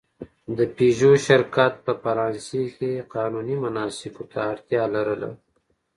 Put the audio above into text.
د پيژو شرکت په فرانسې کې قانوني مناسکو ته اړتیا لرله.